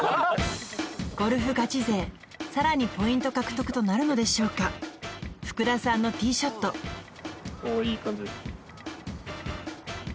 ゴルフガチ勢さらにポイント獲得となるのでしょうか福田さんのティーショットおおいい感じです